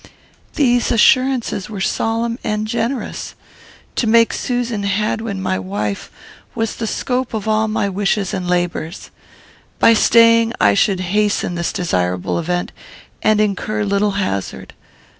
"These assurances were solemn and generous. To make Susan Hadwin my wife was the scope of all my wishes and labours. By staying, I should hasten this desirable event, and incur little hazard.